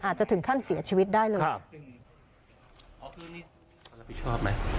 อาจจะถึงขั้นเสียชีวิตได้เลยครับอ๋อคือนี่รับผิดชอบไหม